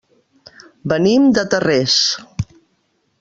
Venim de Tarrés.